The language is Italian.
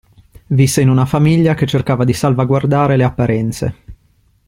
Visse in una famiglia che cercava di salvaguardare le apparenze.